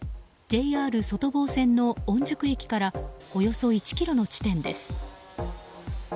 ＪＲ外房線の御宿駅からおよそ１ｋｍの地点です。